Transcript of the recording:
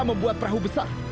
dan membuat perahu besar